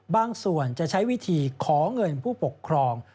บางส่วนจะใช้วิธีขอเงินผู้ปกครอง